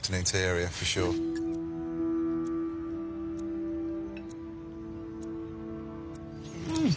うん。